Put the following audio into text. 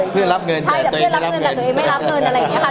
เพื่อนรับเงินแต่ตัวเองไม่รับเงินอะไรอย่างเงี้ยค่ะ